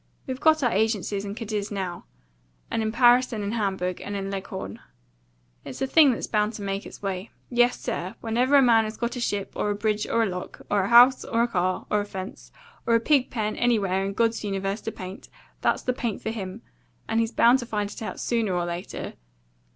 We've got our agencies in Cadiz now, and in Paris, and in Hamburg, and in Leghorn. It's a thing that's bound to make its way. Yes, sir. Wherever a man has got a ship, or a bridge, or a lock, or a house, or a car, or a fence, or a pig pen anywhere in God's universe to paint, that's the paint for him, and he's bound to find it out sooner or later.